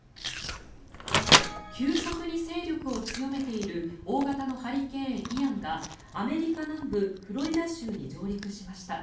急速に勢力を強めている大型のハリケーン、イアンがアメリカ南部フロリダ州に上陸しました。